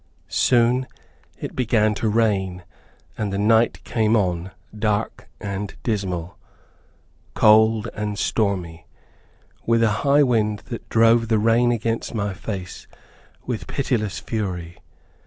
Soon it began to rain, and the night came on, dark and dismal, cold and stormy, with a high wind that drove the rain against my face with pitiless fury.